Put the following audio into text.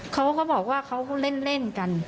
เขาบอกว่าเขาเล่นกัน